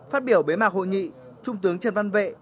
phát biểu bế mạc hội nghị trung tướng trần văn vệ